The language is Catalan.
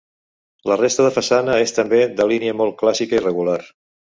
La resta de façana és també de línia molt clàssica i regular.